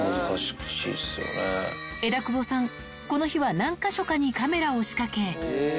枝久保さん、この日は何か所かにカメラを仕掛け。